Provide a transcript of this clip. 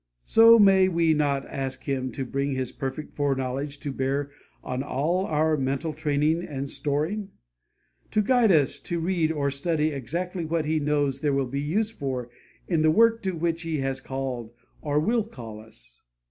So may we not ask Him to bring His perfect foreknowledge to bear on all our mental training and storing? to guide us to read or study exactly what He knows there will be use for in the work to which He has called or will call us?